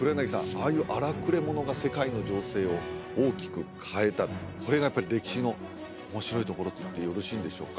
ああいう荒くれ者が世界の情勢を大きく変えたそれがやっぱり歴史の面白いところといってよろしいんでしょうか？